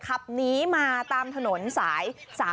ขับหนีมาตามถนนสาย๓๔